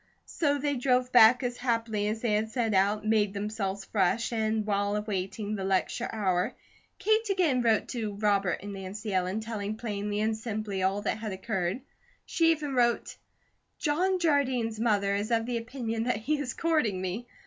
So they drove back as happily as they had set out, made themselves fresh, and while awaiting the lecture hour, Kate again wrote to Robert and Nancy Ellen, telling plainly and simply all that had occurred. She even wrote "John Jardine's mother is of the opinion that he is courting me.